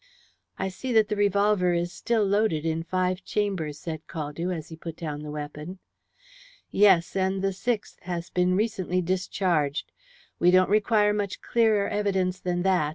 "I see that the revolver is still loaded in five chambers," said Caldew, as he put down the weapon. "Yes, and the sixth has been recently discharged. We don't require much clearer evidence than that.